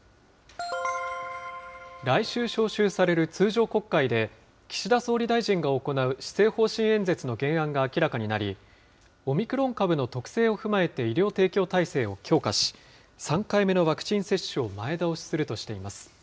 来週召集される通常国会で、岸田総理大臣が行う施政方針演説の原案が明らかになり、オミクロン株の特性を踏まえて医療提供体制を強化し、３回目のワクチン接種を前倒しするとしています。